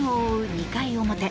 ２回表。